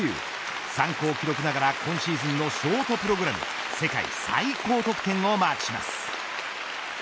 参考記録ながら今シーズンのショートプログラム世界最高得点をマークします。